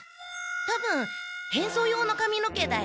たぶん変装用のかみの毛だよ。